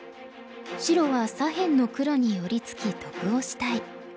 白は左辺の黒に寄り付き得をしたい。